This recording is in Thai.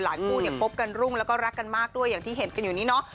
คู่เนี่ยคบกันรุ่งแล้วก็รักกันมากด้วยอย่างที่เห็นกันอยู่นี้เนาะ